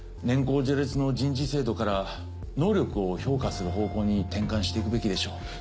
年功序列の人事制度から能力を評価する方向に転換していくべきでしょう。